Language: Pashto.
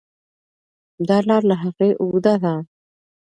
دا لار له هغې اوږده ده.